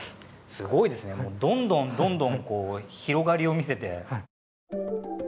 すごいですねどんどんどんどん広がりを見せて。